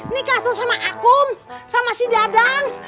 nikah tuh sama akum sama si dadang